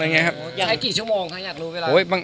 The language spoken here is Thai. อยากให้กี่ชั่วโมงคะอยากรู้เวลา